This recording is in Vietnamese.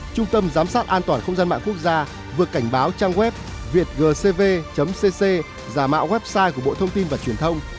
trung tâm giám sát an toàn không gian mạng quốc gia vừa cảnh báo trang web việtgcv cc giả mạo website của bộ thông tin và truyền thông